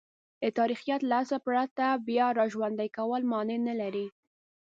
د تاریخیت له اصله پرته بیاراژوندی کول مانع نه لري.